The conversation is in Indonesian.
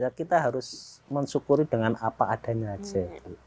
ya kita harus mensyukuri dengan apa adanya aja